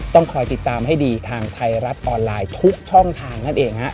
ต้องคอยติดตามให้ดีทางไทยรัฐออนไลน์ทุกช่องทางนั่นเองฮะ